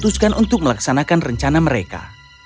memutuskan untuk melaksanakan rencana mereka